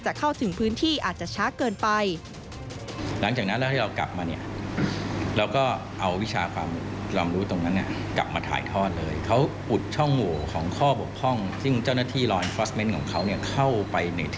เข้าถึงพื้นที่อาจจะช้าเกินไป